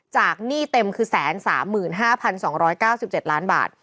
หนี้เต็มคือ๑๓๕๒๙๗ล้านบาท